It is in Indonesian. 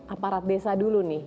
aparat desa dulu nih